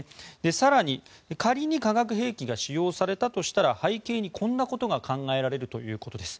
更に、仮に化学兵器が使用されたとしたら背景に、こんなことが考えられるということです。